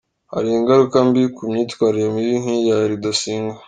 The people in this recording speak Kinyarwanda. Hari ingaruka mbi ku myitwarire mibi nk’iriya ya Rudasingwa.